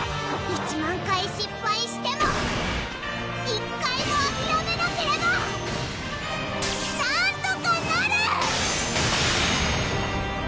１万回失敗しても１回もあきらめなければなんとかなる！